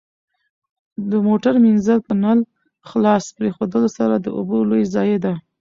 د موټر مینځل په نل خلاص پرېښودلو سره د اوبو لوی ضایع ده.